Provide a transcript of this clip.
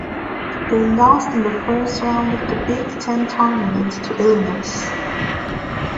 They lost in the first round of the Big Ten Tournament to Illinois.